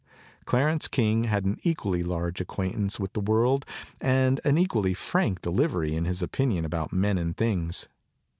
Clarence King had an equally large ac quaintance with the world and an equally frank delivery of his opinion about men and things.